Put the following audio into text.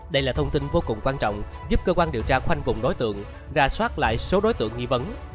đây là thông tin vô cùng quan trọng giúp cơ quan điều tra khoanh vùng đối tượng ra soát lại số đối tượng nghi vấn